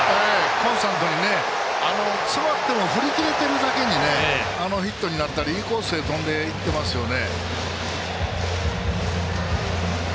コンスタントに詰まっても振り切れてるだけにあのヒットになったりいいコースへ飛んでいってますよね。